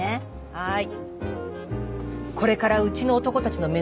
はい！